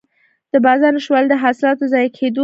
د بازار نشتوالی د حاصلاتو ضایع کېدو اصلي لامل دی.